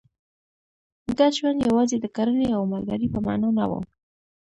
ګډ ژوند یوازې د کرنې او مالدارۍ په معنا نه و.